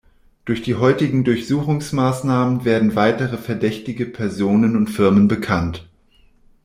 Durch die heutigen Durchsuchungsmaßnahmen wurden weitere verdächtige Personen und Firmen bekannt.